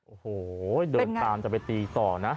โอ้โหเดินตามจะไปตีต่อนะ